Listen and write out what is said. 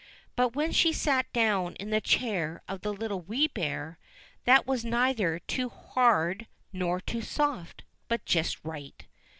But when she sate down in the chair of the Little Wee Bear, that was neither too hard, nor too soft, but just right.